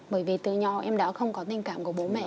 bởi vì từ nhỏ em đã không có tình cảm của bố mẹ